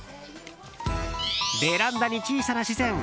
ベランダに小さな自然！